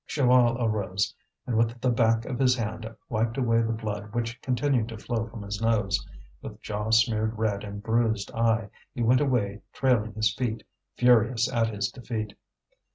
Chaval arose, and with the back of his hand wiped away the blood which continued to flow from his nose; with jaw smeared red and bruised eye, he went away trailing his feet, furious at his defeat.